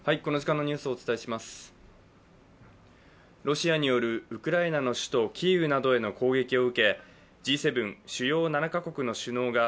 ロシアによるウクライナの首都キーウなどへの攻撃を受けＧ７＝先進７か国の首脳が